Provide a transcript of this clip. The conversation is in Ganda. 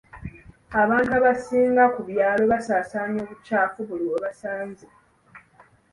Abantu abasinga mu byalo basaasaanya obukyafu buli we basanze.